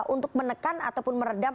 untuk menekan ataupun meredam